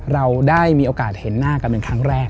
เราได้มีโอกาสเห็นหน้ากันเป็นครั้งแรก